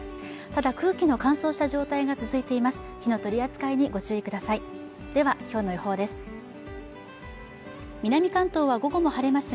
ただ空気の乾燥した状態が続いています火の取り扱いにご注意くださいではきょうの予報です